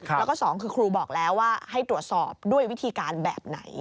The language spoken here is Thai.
แล้วก็สองคือครูบอกแล้วว่าให้ตรวจสอบด้วยวิธีการแบบไหน